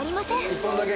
１本だけ。